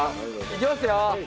いきますよ。